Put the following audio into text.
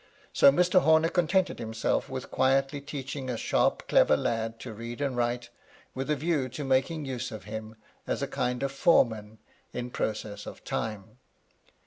So Mr. Homer contented himself with quietly teaching a sharp, clever lad to read and write, with a view to making use of him as a kind of foreman in process of time.